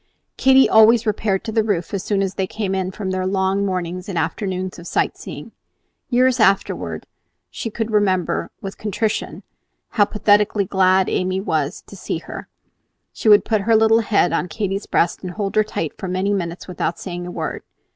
Katy always repaired to the roof as soon as they came in from their long mornings and afternoons of sight seeing. Years afterward, she would remember with contrition how pathetically glad Amy always was to see her. She would put her little head on Katy's breast and hold her tight for many minutes without saying a word.